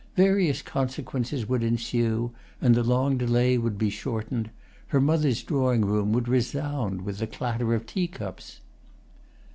Various consequences would ensue and the long delay would be shortened; her mother's drawing room would resound with the clatter of teacups.